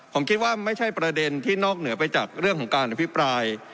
ผมคิดว่าไม่ใช่ประเด็นที่นอกเหนือไปจากเรื่องของการอภิปราย